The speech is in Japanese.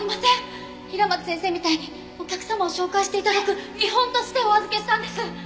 平松先生みたいにお客様を紹介して頂く見本としてお預けしたんです。